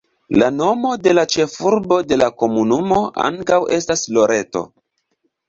La nomo de la ĉefurbo de la komunumo ankaŭ estas Loreto.